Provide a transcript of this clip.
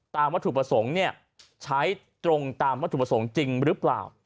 วัตถุประสงค์ใช้ตรงตามวัตถุประสงค์จริงหรือเปล่า